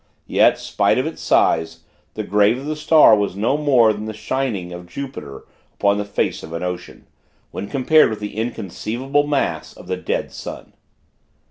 Yet, spite of its size, the grave of the star was no more than the shining of Jupiter upon the face of an ocean, when compared with the inconceivable mass of the Dead Sun.